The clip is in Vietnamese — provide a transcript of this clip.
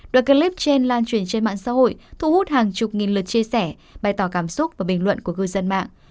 đoạn clip trên lan truyền trên mạng xã hội thu hút hàng chục nghìn lượt chia sẻ bày tỏ cảm xúc và bình luận của cư dân mạng